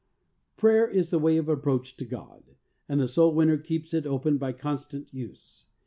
Prayer is the way of approach to God, and the soul winner keeps it open by constant use.